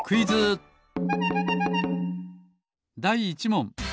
だい１もん。